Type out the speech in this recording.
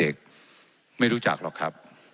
ว่าการกระทรวงบาทไทยนะครับ